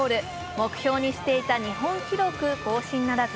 目標にしていた日本記録更新ならず。